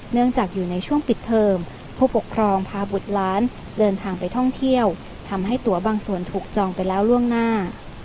เนื่องจากอยู่ในช่วงปิดเทอมผู้ปกครองพาบุตรล้านเดินทางไปท่องเที่ยวทำให้ตัวบางส่วนถูกจองไปแล้วล่วงหน้า